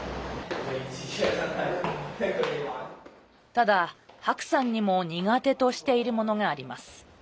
ただ、白さんにも苦手としているものがあります。